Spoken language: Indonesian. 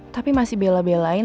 tapi masih bela belain